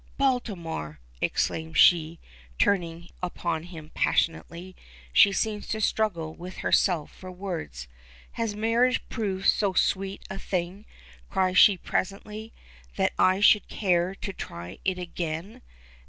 "Baltimore!" exclaims she, turning upon him passionately. She seems to struggle with herself for words. "Has marriage proved so sweet a thing?" cries she presently, "that I should care to try it again?